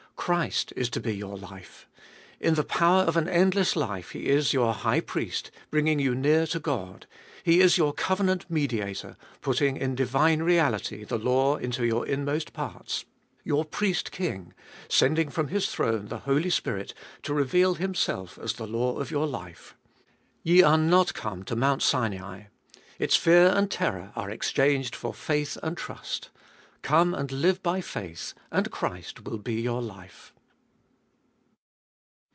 Christ is to be your life. In the power of an endless life He is your High Priest, bringing you near to God ; He is your covenant Mediator, putting in divine reality the law into your inmost parts ; your Priest King, sending from His throne the Holy Spirit to reveal Himself as the law of your life. Ye are not come to Mount Sinai ; its fear and terror are exchanged for faith and trust Come and live by faith, and Christ will be your life.